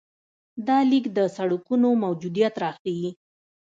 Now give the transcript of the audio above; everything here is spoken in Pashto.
دا لیک د سړکونو موجودیت راښيي.